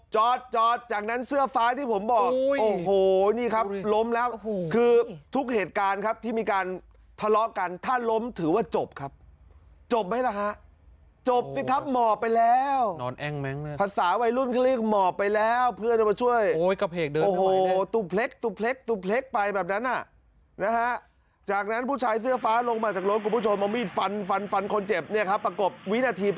จอดจอดจากนั้นเสื้อฟ้าที่ผมบอกโอ้โหนี่ครับล้มแล้วคือทุกเหตุการณ์ครับที่มีการทะเลาะกันถ้าล้มถือว่าจบครับจบไหมล่ะฮะจบสิครับหมอบไปแล้วผัสสาวัยรุ่นคลิกหมอบไปแล้วเพื่อนมาช่วยโอ้โหตุเปล็กตุเปล็กตุเปล็กไปแบบนั้นนะฮะจากนั้นผู้ชายเสื้อฟ้าลงมาจากรถคุณผู้ชมมีฟันฟันฟันคน